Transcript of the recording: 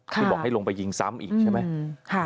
ที่บอกให้ลงไปยิงซ้ำอีกใช่ไหม